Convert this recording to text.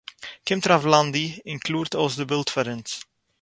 קומט רב לנדי און קלארט אויס די בילד פאר אונז